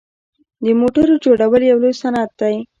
د موټرو جوړول یو لوی صنعت دی.